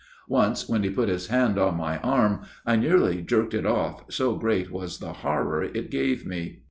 Once when he put his hand on my arm I nearly jerked it off, so great was the horror it gave me.